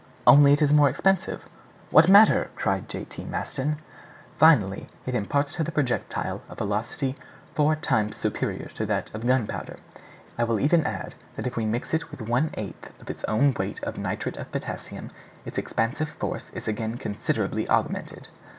"Only it is more expensive." "What matter?" cried J. T. Maston. "Finally, it imparts to projectiles a velocity four times superior to that of gunpowder. I will even add, that if we mix it with one eighth of its own weight of nitrate of potassium, its expansive force is again considerably augmented."